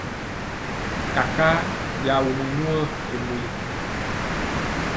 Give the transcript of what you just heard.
Kakaa ya wumɔ nwaa ri mbu yi.